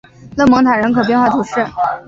勒蒙塔人口变化图示